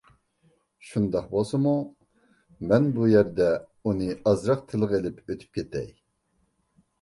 شۇنداق بولسىمۇ مەن بۇ يەردە ئۇنى ئازراق تىلغا ئېلىپ ئۆتۈپ كېتەي.